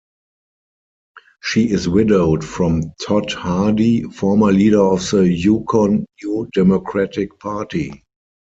She is widowed from Todd Hardy, former leader of the Yukon New Democratic Party.